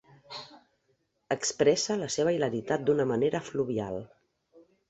Expressa la seva hilaritat d'una maner fluvial.